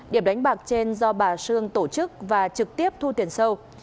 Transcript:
điểm đánh bạc trên do bà sương tổ chức và trực tiếp thu tiền sâu